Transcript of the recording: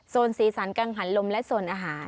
สีสันกังหันลมและโซนอาหาร